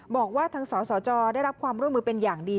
บอกว่าทางสสจได้รับความร่วมมือเป็นอย่างดี